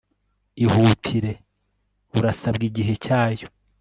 IHUTIRE URASABWA IGIHE CYAYO